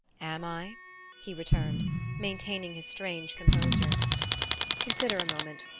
"Am I?" he returned, maintaining his strange composure. "Consider a moment.